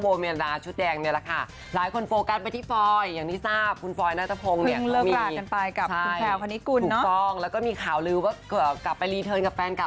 ก็เป็นเรื่องของทางผู้ชมตอนนี้ผู้ชมก็ได้มีการจัดการเรียบร้อยแล้วค่ะ